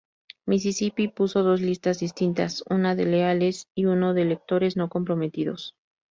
Mississippi puso dos listas distintas, una de leales y uno de electores no comprometidos.